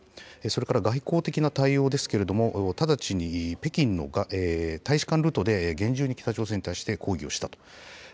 それから外交的な対応ですけれども、直ちに北京の大使館ルートで厳重に北朝鮮に対して抗議をしたと。